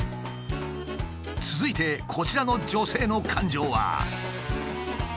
続いてこちらの女性の感情は。